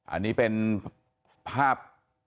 อันนี้เป็นภาพ